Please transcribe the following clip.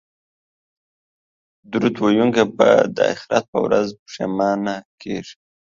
درود ویونکی به د اخرت په ورځ نه پښیمانه کیږي